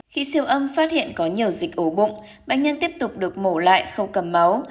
khi siêu âm phát hiện có nhiều dịch ổ bụng bệnh nhân tiếp tục được mổ lại không cầm máu